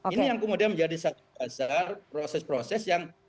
ini yang kemudian menjadi satu dasar proses proses yang